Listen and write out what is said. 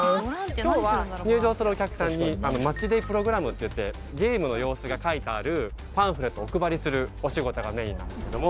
今日は入場するお客さんにマッチデープログラムっていってゲームの様子が書いてあるパンフレットをお配りするお仕事がメインなんですけども。